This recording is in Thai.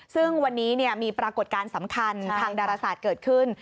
ซึ่งวันนี้มีปรากฏการณ์สำคัญทางดาราศาสตร์เกิดขึ้น